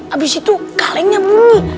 abis itu kalengnya bunyi